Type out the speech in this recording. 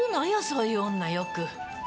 そういう女よく。